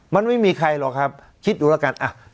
มันไม่มีใครหรอกครับคิดดูแล้วกัน